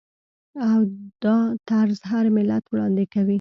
او دا طرز هر ملت وړاندې کوي.